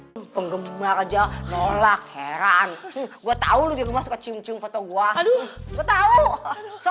hai penggemar aja nolak heran gua tahu lu jangan masuk ke cium foto gua aduh tahu soal